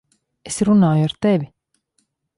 Es runāju ar tevi!